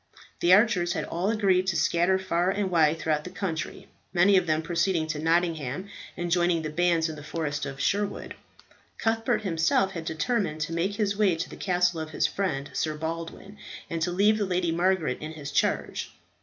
The archers had all agreed to scatter far and wide through the country, many of them proceeding to Nottingham and joining the bands in the forest of Sherwood. Cuthbert himself had determined to make his way to the castle of his friend, Sir Baldwin, and to leave the Lady Margaret in his charge.